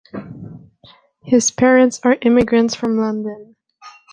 His parents are immigrants from London.